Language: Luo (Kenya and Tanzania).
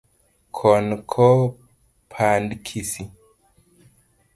Kon ko pand kisii